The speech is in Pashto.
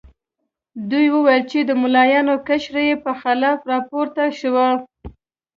دوی وویل چې د ملایانو قشر یې په خلاف راپورته شو.